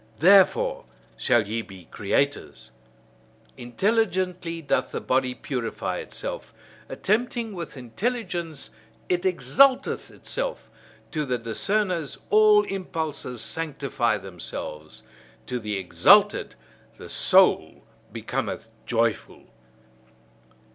Therefore shall ye be creators! Intelligently doth the body purify itself; attempting with intelligence it exalteth itself; to the discerners all impulses sanctify themselves; to the exalted the soul becometh joyful.